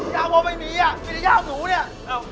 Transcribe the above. ยากมาไม่มีอ่ะไม่ได้ยากหนูเนี่ย